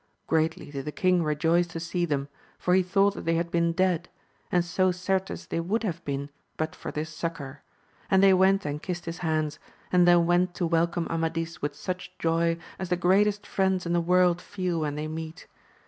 Greatly did the king rejoice to see them, for he thought that they had been dead, and so certes they would have been but for this succour : and they went and kissed his hands, and then went to welcome Amadis with such joy as the greatest friends in the world feel when they meet.